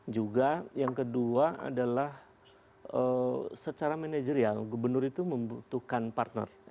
juga yang kedua adalah secara manajerial gubernur itu membutuhkan partner